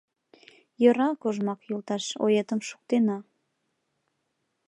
Йӧра, Кожмак йолташ, оетым шуктена.